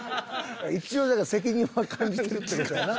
一応だから責任は感じてるっていう事やな？